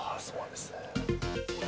そうなんですね。